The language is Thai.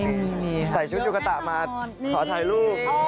มีใส่ชุดลูกตะมาขอถ่ายรูป